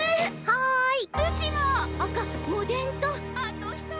はい！